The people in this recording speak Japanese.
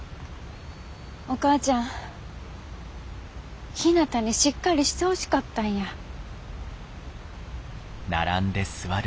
お母ちゃんひなたにしっかりしてほしかったんや。